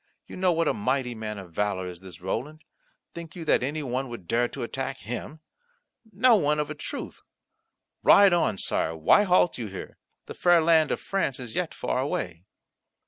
You know what a mighty man of valour is this Roland. Think you that any one would dare to attack him? No one, of a truth. Ride on, Sire, why halt you here? The fair land of France is yet far away."